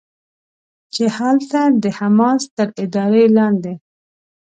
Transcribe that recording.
چې هلته د حماس تر ادارې لاندې